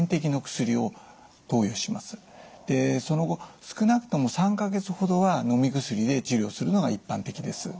でその後少なくとも３か月ほどはのみ薬で治療するのが一般的です。